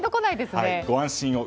ご安心を。